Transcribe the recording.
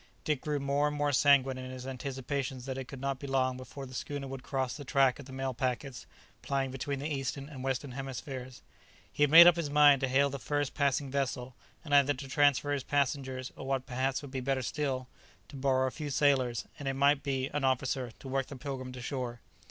Dick grew more and more sanguine in his anticipations that it could not be long before the schooner would cross the track of the mail packets plying between the eastern and western hemispheres. He had made up his mind to hail the first passing vessel, and either to transfer his passengers, or what perhaps would be better still, to borrow a few sailors, and, it might be, an officer to work the "Pilgrim" to shore.